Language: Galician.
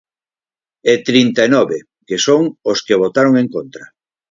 E trinta e nove, que son os que votaron en contra.